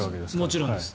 もちろんです。